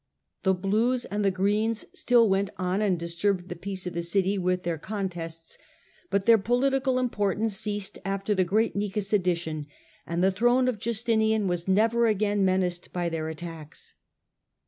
The blues and the greens still went on and disturbed the peace of the city with their con tests, but their political importance ceased after the great Nika sedition, and the throne of Justinian was never again menaced by their attacks.